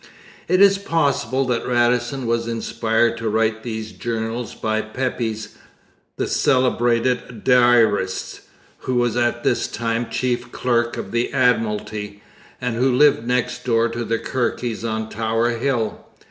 It is possible that Radisson was inspired to write these journals by Pepys, the celebrated diarist, who was at this time chief clerk of the Admiralty, and who lived next door to the Kirkes on Tower Hill.